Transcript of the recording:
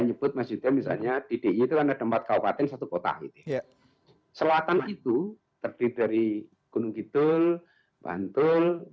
nyebut masjidnya misalnya di di itu ada empat kawasan satu kota selatan itu terdiri dari gunung gitu bantul